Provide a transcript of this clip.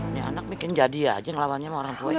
ini anak mungkin jadi aja ngelawannya sama orang tua ya